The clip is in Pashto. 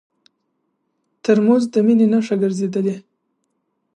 ترموز د مینې نښه ګرځېدلې.